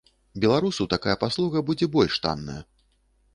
Беларусу такая паслуга будзе больш танная.